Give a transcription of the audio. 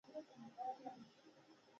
ایمان سړي ته قوت او ځواک ورکوي